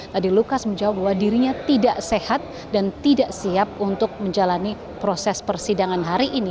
tadi lukas menjawab bahwa dirinya tidak sehat dan tidak siap untuk menjalani proses persidangan hari ini